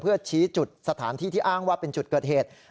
เพื่อชี้จุดสถานที่ที่อ้างว่าเป็นจุดเกิดเหตุ